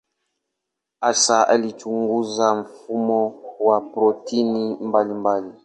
Hasa alichunguza mfumo wa protini mbalimbali.